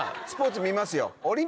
スポーツ見ますよ。